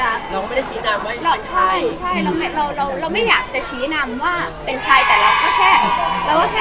เราไม่ได้ชี้นำว่าเป็นชายใช่เราไม่อยากจะชี้นำว่าเป็นชายแต่เราก็แค่